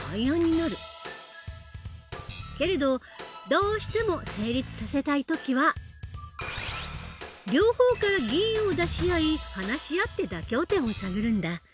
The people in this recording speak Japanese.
けれどどうしても成立させたい時は両方から議員を出し合い話し合って妥協点を探るんだ。